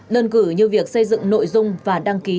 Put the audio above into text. đơn cử như việc xây dựng nội dung và đăng ký